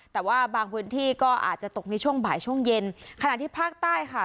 แต่ว่าบางพื้นที่ก็อาจจะตกในช่วงบ่ายช่วงเย็นขณะที่ภาคใต้ค่ะ